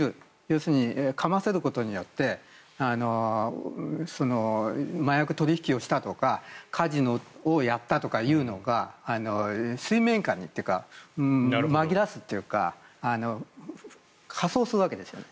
要するにかませることによって麻薬取引をしたとかカジノをやったとかいうのが水面下にというか紛らわせるというか仮装するわけですよね。